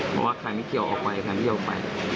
เพราะว่าใครไม่เกี่ยวออกไปใครไม่ยอมไป